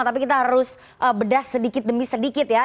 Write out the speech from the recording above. tapi kita harus bedah sedikit demi sedikit ya